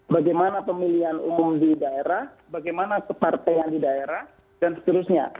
bagaimana pemilihan umum di daerah bagaimana separtaian di daerah dan seterusnya